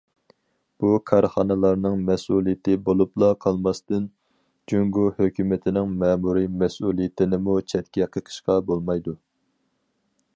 بۇ كارخانىلارنىڭ مەسئۇلىيىتى بولۇپلا قالماستىن، جۇڭگو ھۆكۈمىتىنىڭ مەمۇرىي مەسئۇلىيىتىنىمۇ چەتكە قېقىشقا بولمايدۇ.